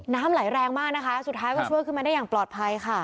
น้ำไหลแรงมากนะคะสุดท้ายก็ช่วยขึ้นมาได้อย่างปลอดภัยค่ะ